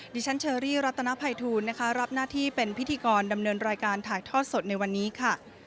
ดิฉันเชอรี่รัตนภัยทูลนะคะรับหน้าที่เป็นพิธีกรดำเนินรายการถ่ายทอดสดในวันนี้ค่ะ